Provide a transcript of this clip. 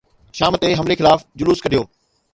شام تي حملي خلاف جلوس ڪڍيو